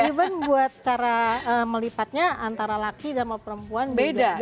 jadi even buat cara melipatnya antara laki sama perempuan beda beda